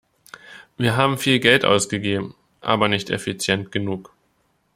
Wir haben viel Geld ausgegeben, aber nicht effizient genug.